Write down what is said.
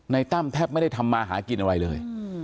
ตั้มแทบไม่ได้ทำมาหากินอะไรเลย